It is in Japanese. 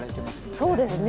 そうですよね。